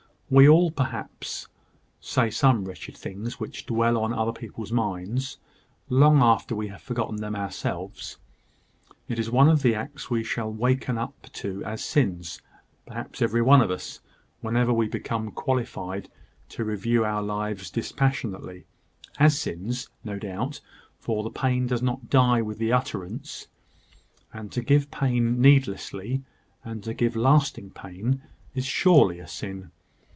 "We all, perhaps, say some wretched things which dwell on other people's minds, long after we have forgotten them ourselves. It is one of the acts we shall waken up to as sins perhaps every one of us whenever we become qualified to review our lives dispassionately; as sins, no doubt, for the pain does not die with the utterance; and to give pain needlessly, and to give lasting pain, is surely a sin.